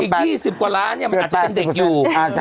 อีก๒๐กว่าล้านเนี่ยมันอาจจะเป็นเด็กอยู่